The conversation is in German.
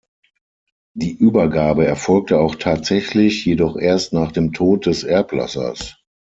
Die Übergabe erfolgte auch tatsächlich, jedoch erst nach dem Tod des Erblassers.